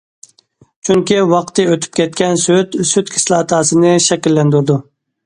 چۈنكى ۋاقتى ئۆتۈپ كەتكەن سۈت سۈت كىسلاتاسىنى شەكىللەندۈرىدۇ.